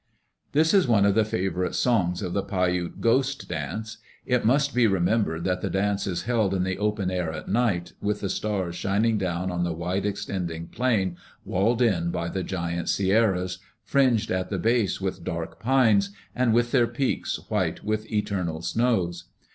"This is one of the favorite songs of the Paiute Ghost dance.... It must be remembered that the dance is held in the open air at night, with the stars shining down on the wide extending plain walled in by the giant Sierras, fringed at the base with dark pines, and with their peaks white with eternal snows.